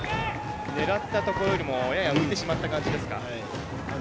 狙ったところよりもやや浮いてしまった感じですか。